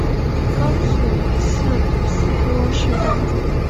高水寺斯波氏当主。